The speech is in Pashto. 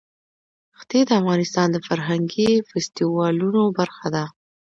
ښتې د افغانستان د فرهنګي فستیوالونو برخه ده.